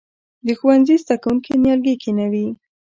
د ښوونځي زده کوونکي نیالګي کینوي؟